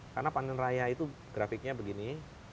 karena panen raya itu grafiknya begini